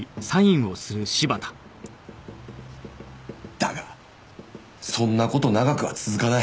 だがそんな事長くは続かない。